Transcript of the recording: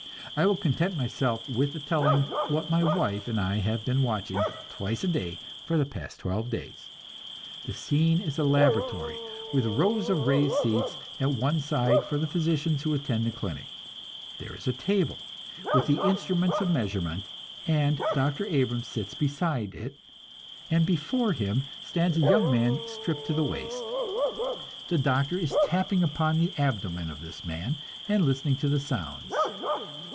I will content myself with telling what my wife and I have been watching, twice a day for the past twelve days. The scene is a laboratory, with rows of raised seats at one side for the physicians who attend the clinic. There is a table, with the instruments of measurement, and Dr. Abrams sits beside it, and before him stands a young man stripped to the waist. The doctor is tapping upon the abdomen of this man, and listening to the sounds.